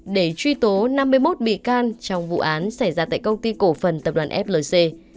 để truy tố năm mươi một bị can trong vụ án xảy ra tại công ty cổ phần tập đoàn flc